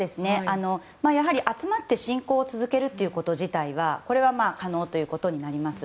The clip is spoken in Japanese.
やはり集まって信仰を続けること自体は可能ということになります。